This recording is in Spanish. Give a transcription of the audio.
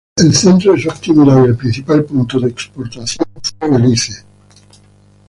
El centro de su actividad y el principal punto de exportación fue Belice.